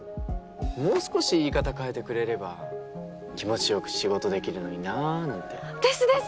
もう少し言い方変えてくれれば気持ち良く仕事できるのになぁなんて。ですです！